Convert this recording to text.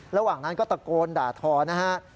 ระหว่างนั้นก็ตะโกนด่าทอนะฮะ